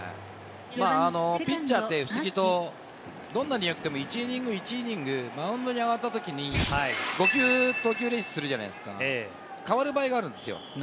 ピッチャーって不思議とどんなに良くても１イニング１イニング、マウンドに上がったときに、５球投球練習するじゃないですか、変わる場合があるんですよ。